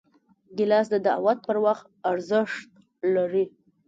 ګیلاس د دعوت پر وخت ارزښت لري.